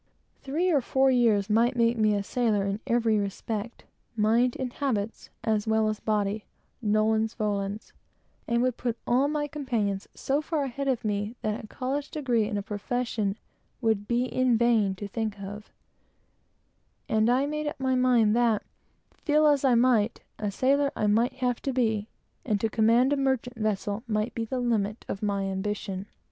Three or four years would make me a sailor in every respect, mind and habits, as well as body nolens volens; and would put all my companions so far ahead of me that college and a profession would be in vain to think of; and I made up my mind that, feel as I might, a sailor I must be, and to be master of a vessel, must be the height of my ambition.